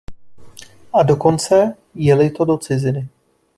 A dokonce, je-li to do ciziny.